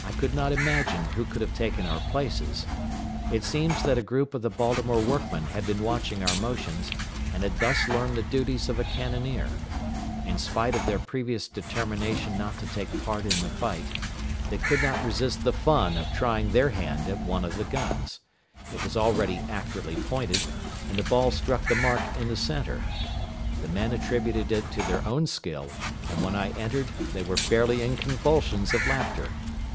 I could not imagine who could have taken our places. It seems that a group of the Baltimore workmen had been watching our motions, and had thus learned the duties of a cannoneer. In spite of their previous determination not to take part in the fight, they could not resist the fun of trying their hand at one of the guns. It was already accurately pointed, and the ball struck the mark in the centre. The men attributed it to their own skill, and when I entered they were fairly in convulsions of laughter.